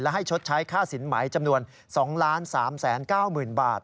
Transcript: ให้ชดใช้ค่าสินไหมจำนวน๒๓๙๐๐๐บาท